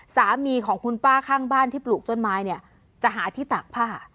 สามีของคุณป้าข้างบ้านที่ปลูกต้นไม้เนี่ยจะหาที่ตากผ้า